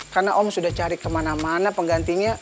karena om sudah cari kemana mana penggantinya